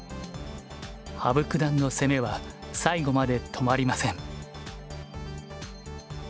羽生九段の攻めは最後まで止まりません。